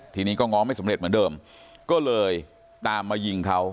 ทีนี้ก็ง้อไม่สำเร็จเหมือนเดิมก็เลยตามมายิงเขา